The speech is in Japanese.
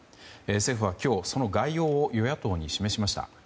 政府は今日、その概要を与野党に示しました。